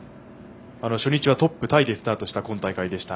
初日はトップタイでスタートした今大会でした。